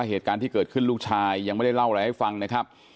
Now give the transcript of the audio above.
เหตุการณ์ที่เกิดขึ้นลูกชายยังไม่ได้เล่าอะไรให้ฟังนะครับ